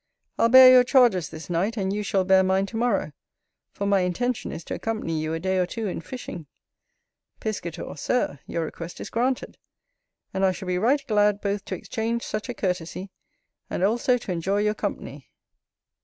I'll bear your charges this night, and you shall bear mine to morrow; for my intention is to accompany you a day or two in fishing. Piscator. Sir, your request is granted; and I shall be right glad both to exchange such a courtesy, and also to enjoy your company.